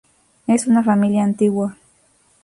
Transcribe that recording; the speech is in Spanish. Es una familia antigua.